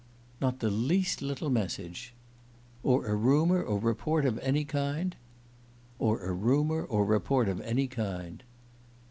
"Not the least little message." "Or a rumour or report of any kind?" "Or a rumour or report of any kind."